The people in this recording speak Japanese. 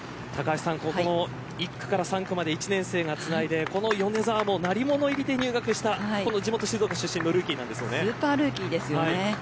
ここも１区から３区まで１年生がつないでこの米澤も鳴り物入りで入学した地元、静岡出身のスーパールーキーですよね。